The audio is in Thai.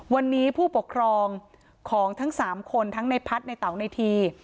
วันนี้ผู้ปกครองของทั้ง๓คนทั้งในพัฒน์ในเต๋าในที